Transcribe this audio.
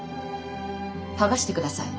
剥がしてください。